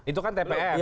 itu kan tgpf